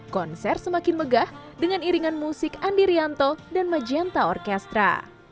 konser semakin megah dengan iringan musik andi rianto dan magianta orkestra